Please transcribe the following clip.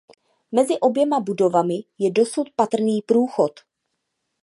Mezi oběma budovami je dosud patrný průchod.